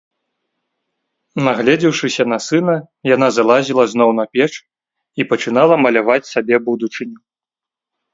Нагледзеўшыся на сына, яна залазіла зноў на печ і пачынала маляваць сабе будучыню.